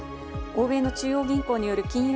欧米の中央銀行による金融